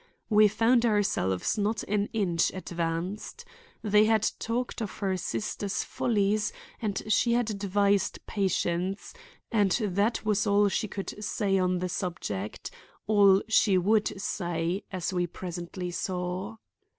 We found ourselves not an inch advanced. They had talked of her sister's follies and she had advised patience, and that was all she could say on the subject—all she would say, as we presently saw.